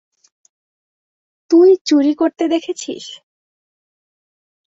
তুই চুরি করতে দেখেছিস?